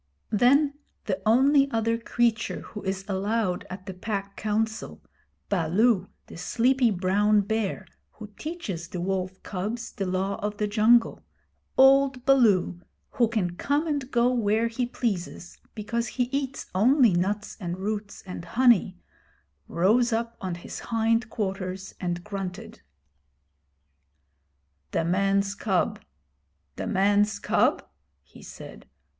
Then the only other creature who is allowed at the Pack Council Baloo, the sleepy brown bear who teaches the wolf cubs the Law of the Jungle: old Baloo, who can come and go where he pleases because he eats only nuts and roots and honey rose up on his hind quarters and grunted. 'The man's cub the man's cub?' he said.